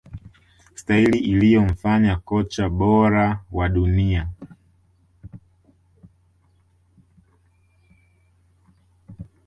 Staili iliyomfanya kocha bora wa dunia